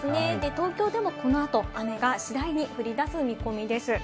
東京でもこの後、雨が次第に降り出す見込みです。